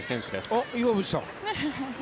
あっ、岩渕さん。